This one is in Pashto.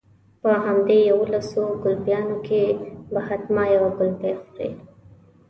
په همدې يوولسو ګلپيانو کې به حتما يوه ګلپۍ خورې.